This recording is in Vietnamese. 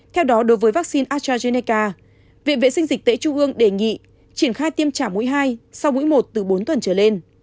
theo đó đối với vaccine astrazeneca viện vệ sinh dịch tễ trung ương đề nghị triển khai tiêm trả mũi hai sau mũi một từ bốn tuần trở lên